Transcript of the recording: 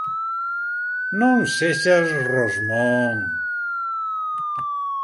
Non sexas rosmón.